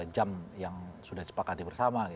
jam yang sudah disepakati bersama